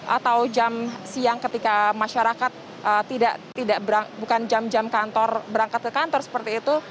atau jam siang ketika masyarakat bukan jam jam kantor berangkat ke kantor seperti itu